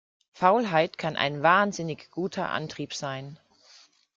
Faulheit kann ein wahnsinnig guter Antrieb sein.